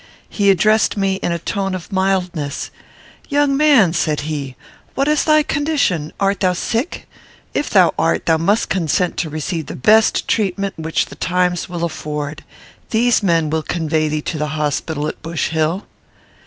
He addressed me in a tone of mildness: "Young man," said he, "what is thy condition? Art thou sick? If thou art, thou must consent to receive the best treatment which the times will afford. These men will convey thee to the hospital at Bush Hill."